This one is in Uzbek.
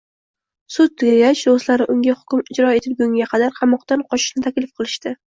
Sud tugagach, do‘stlari unga hukm ijro etilgunga qadar qamoqdan qochishni taklif qilishadi